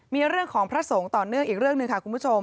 มีเรื่องของพระสงฆ์ต่อเนื่องอีกเรื่องหนึ่งค่ะคุณผู้ชม